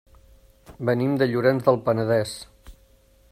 Venim de Llorenç del Penedès.